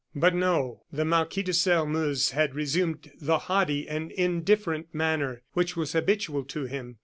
But no; the Marquis de Sairmeuse had resumed the haughty and indifferent manner which was habitual to him.